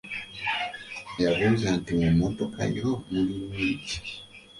Yabuuza nti mu mmotoka yo mulimu ki?